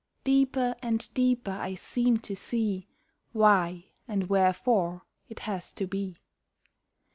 Deeper and deeper I seem to see Why and wherefore it has to be.